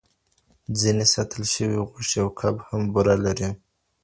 ځینې ساتل شوي غوښې او کب هم بوره لري.